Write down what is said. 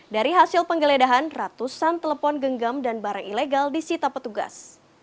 dari hasil penggeledahan ratusan telepon genggam dan barang ilegal disita petugas